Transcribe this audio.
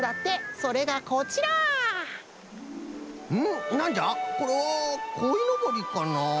これはこいのぼりかなあ？